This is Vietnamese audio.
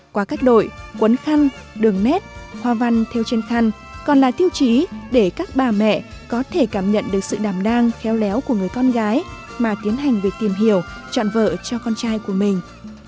qua các đội quấn khăn đường nét hoa văn theo trên khăn còn là tiêu chí để các bà mẹ có thể cảm nhận được sự đảm đang khéo léo của người con gái mà tiến hành việc tìm hiểu chọn vợ cho con trai của mình